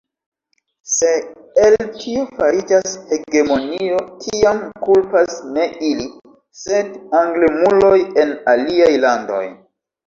Se el tio fariĝas hegemonio, tiam kulpas ne ili, sed anglemuloj en aliaj landoj.